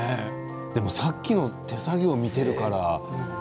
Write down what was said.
でも、さっきの手作業を見ているから。